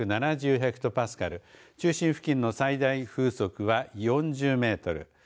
ヘクトパスカル中心付近の最大風速は４０メートル